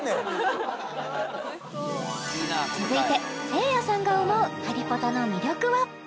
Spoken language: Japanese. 続いてせいやさんが思う「ハリポタ」の魅力は？